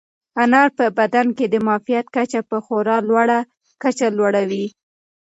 انار په بدن کې د معافیت کچه په خورا لوړه کچه لوړوي.